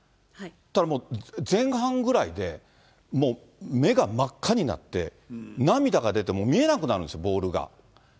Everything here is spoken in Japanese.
もう前半ぐらいでもう、目が真っ赤になって、涙が出て、見えなくなるんです、ボールが。